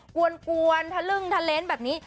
กวนกวนถลึกเทฬร์เนสแบบนี้